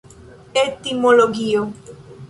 etimologio